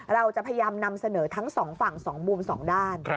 เราจะพยายามนำเสนอทั้งสองฝั่ง๒มุม๒ด้าน